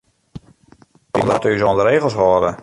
Wy moatte ús oan de regels hâlde.